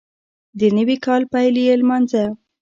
د نوي کال پیل یې لمانځه